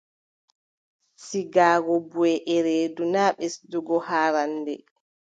Sigaago buʼe e reedu, naa ɓesdugo haarannde.